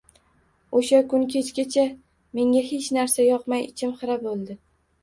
O‘sha kuni kechgacha menga hech narsa yoqmay, ichim xira bo‘ldi